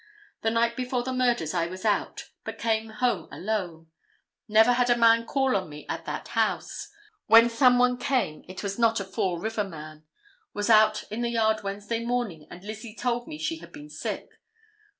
The night before the murders I was out, but came home alone. Never had a man call on me at that house. When some one came it was not a Fall River man. Was out in the yard Wednesday morning and Lizzie told me she had been sick.